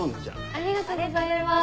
ありがとうございます。